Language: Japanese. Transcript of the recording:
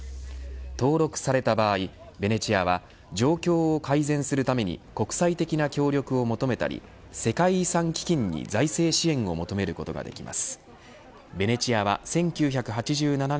登録された場合ベネチアは状況を改善するために国際的な協力を求めたり世界遺産基金に財政支援をトヨタイムズの富川悠太です